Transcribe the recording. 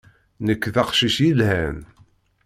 Nekk d aqcic yelhan.